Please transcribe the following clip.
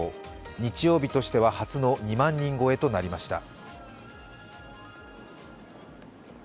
日曜日としては初の２万人超えとなりました。